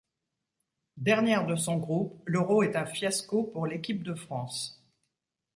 Dernière de son groupe, l'Euro est un fiasco pour l'équipe de France.